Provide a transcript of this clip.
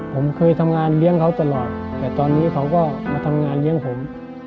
ผมเคยทำงานเลี้ยงเขาตลอดแต่ตอนนี้เขาก็มาทำงานเลี้ยงผม